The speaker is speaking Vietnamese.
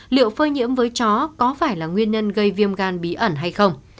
liệu phơi nhiễm với chó có phải là nguyên nhân gây viêm gan bí ẩn hay không